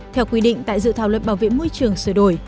theo quy định tại dự thảo luật bảo vệ môi trường sửa đổi